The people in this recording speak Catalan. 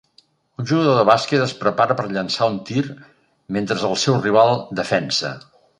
Un jugador de bàsquet es prepara per llançar un tir mentre el seu rival defensa.